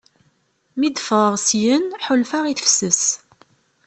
mi d-ffɣeɣ syen ḥulfaɣ i tefses.